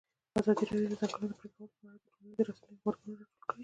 ازادي راډیو د د ځنګلونو پرېکول په اړه د ټولنیزو رسنیو غبرګونونه راټول کړي.